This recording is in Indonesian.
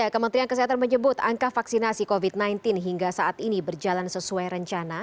kementerian kesehatan menyebut angka vaksinasi covid sembilan belas hingga saat ini berjalan sesuai rencana